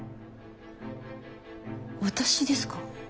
私ですか？